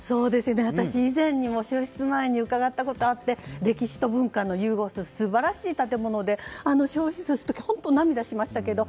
私、以前にも焼失前に伺ったことがあって歴史と文化の融合する素晴らしい建物で、焼失して本当に涙しましたけど。